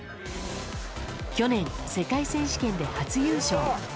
去年、世界選手権で初優勝。